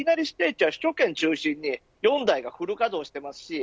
ステーキは首都圏中心に４台のフル稼働しています。